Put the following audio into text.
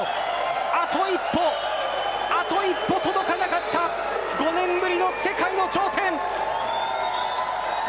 あと一歩、あと一歩届かなかった５年ぶりの世界の頂点。